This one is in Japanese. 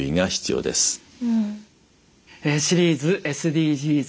シリーズＳＤＧｓ